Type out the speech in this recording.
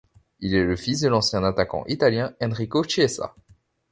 Il est le fils de l'ancien attaquant italien Enrico Chiesa.